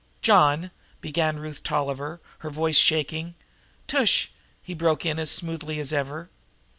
"John " began Ruth Tolliver, her voice shaking. "Tush," he broke in as smoothly as ever.